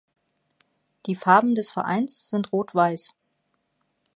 Die Farben des Vereins sind rot-weiß.